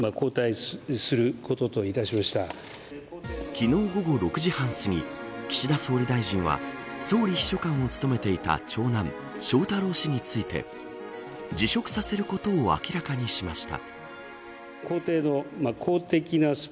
昨日午後６時半すぎ岸田総理大臣は総理秘書官を務めていた長男、翔太郎氏について辞職させることを明らかにしました。